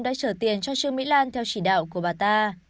đã trở tiền cho trương mỹ lan theo chỉ đạo của bà ta